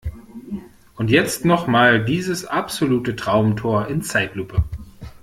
Und jetzt noch mal dieses absolute Traumtor in Zeitlupe!